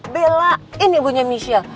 belain ibunya michelle